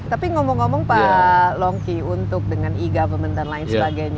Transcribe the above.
tapi ngomong ngomong pak longki untuk dengan e government dan lain sebagainya